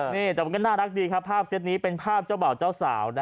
นี่แต่มันก็น่ารักดีครับภาพเซ็ตนี้เป็นภาพเจ้าบ่าวเจ้าสาว